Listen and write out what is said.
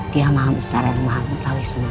dia maham secara yang maham mengetahui semuanya